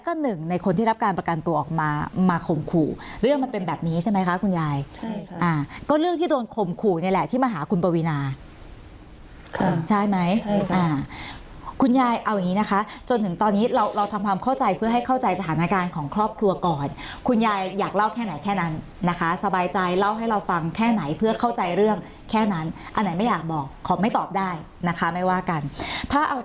ก็หนึ่งในคนที่รับการประกันตัวออกมามาข่มขู่เรื่องมันเป็นแบบนี้ใช่ไหมคะคุณยายก็เรื่องที่โดนข่มขู่นี่แหละที่มาหาคุณปวีนาใช่ไหมคุณยายเอาอย่างนี้นะคะจนถึงตอนนี้เราเราทำความเข้าใจเพื่อให้เข้าใจสถานการณ์ของครอบครัวก่อนคุณยายอยากเล่าแค่ไหนแค่นั้นนะคะสบายใจเล่าให้เราฟังแค่ไหนเพื่อเข้าใจเรื่องแค่นั้นอันไหนไม่อยากบอกขอไม่ตอบได้นะคะไม่ว่ากันถ้าเอา